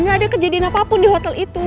gak ada kejadian apa apa di hotel itu